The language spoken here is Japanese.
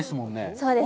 そうですね。